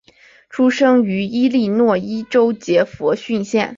出生于伊利诺伊州杰佛逊县。